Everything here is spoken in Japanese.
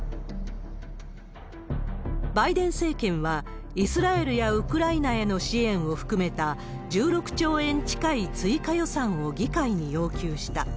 バイデン政権は、イスラエルやウクライナへの支援を含めた、１６兆円近い追加予算を議会に要求した。